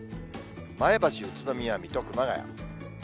前橋、宇都宮、水戸、熊谷。